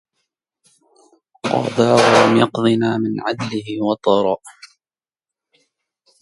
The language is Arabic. قضى ولم يقضنا من عدله وطرا